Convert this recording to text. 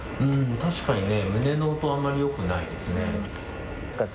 確かに胸の音、あまりよくないですね。